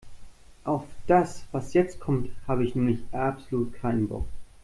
Auf das, was jetzt kommt, habe ich nämlich absolut keinen Bock.